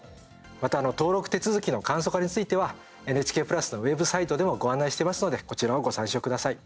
また登録手続きの簡素化についてはＮＨＫプラスのウェブサイトでもご案内してますのでこちらをご参照ください。